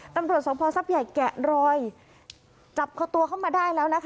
ตำรวจสมพท์ใหญ่แกะรอยจับตัวเข้ามาได้แล้วนะคะ